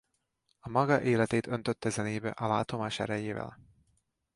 A maga életét öntötte zenébe a látomás erejével.